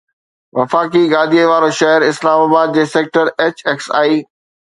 وفاقي گادي واري شهر اسلام آباد جي سيڪٽر HXI